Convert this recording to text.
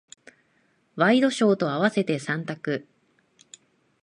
ワイドショーと合わせて三択。